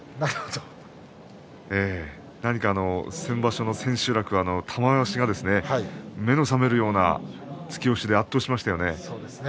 何か、先場所の千秋楽は玉鷲が目の覚めるような突き押しで圧倒しましたよね。